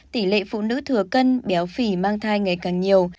tỷ lệ phụ nữ thừa cân béo phì mang thai ngày càng nhiều